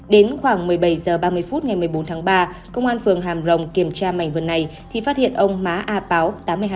đến khoảng một mươi bảy h ba mươi phút ngày một mươi bốn tháng ba công an phường hàm rồng kiểm tra mảnh vườn này thì phát hiện ông má a páo tám mươi hai